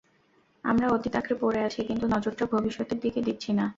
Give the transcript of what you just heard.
আমরা অতীত আঁকড়ে পড়ে আছি, কিন্তু নজরটা ভবিষ্যতের দিকে দিচ্ছি না।